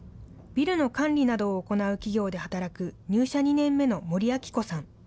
ビルの管理などを行う企業で働く、入社２年目の森瑛子さん。